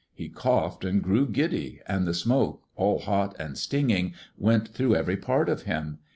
He coughed and grew giddy, and the smoke all hot and stinging went through every part of him.